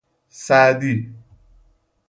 سعدی